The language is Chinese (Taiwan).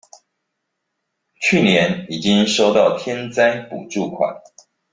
去年已經收到天災補助款